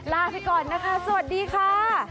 ลาไปก่อนนะคะสวัสดีค่ะ